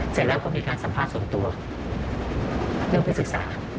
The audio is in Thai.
เสร็จแล้วก็มีการสัมภาษณ์ส่วนตัวเรื่องไปศึกษา